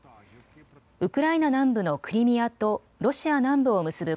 ウクライナ南部のクリミアとロシア南部を結ぶ